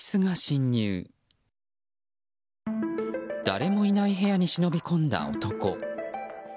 誰もいない部屋に忍び込んだ男。